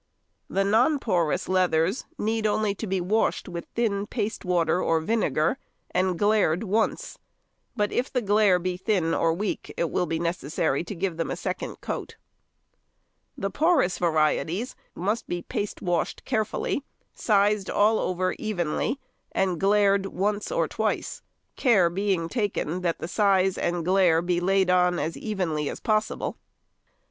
The non porous leathers need only be washed with thin paste water or vinegar, and glaired once; but if the glaire be thin or weak it will be necessary to give them a second coat. The porous varieties must be paste washed carefully, sized all over very evenly, and glaired once or twice; care being taken that the size and glaire be laid on as evenly as possible.